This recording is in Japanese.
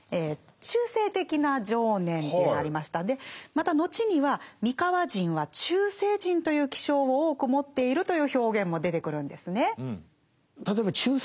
また後には「三河人は中世人という気性を多く持っている」という表現も出てくるんですね。